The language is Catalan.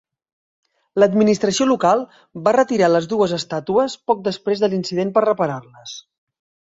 L'administració local va retirar les dues estàtues poc després de l'incident per reparar-les.